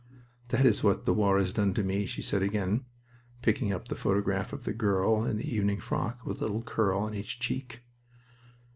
"That is what the war has done to me," she said again, picking up the photograph of the girl in the evening frock with a little curl on each cheek.